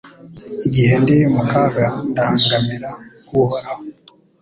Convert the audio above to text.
Igihe ndi mu kaga ndangamira Uhoraho